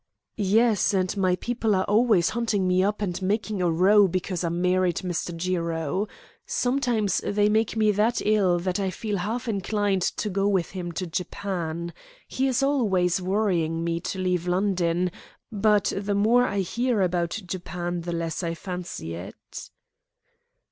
"Yes; and my people are always hunting me up and making a row because I married Mr. Jiro. Sometimes they make me that ill that I feel half inclined to go with him to Japan. He is always worrying me to leave London, but the more I hear about Japan the less I fancy it."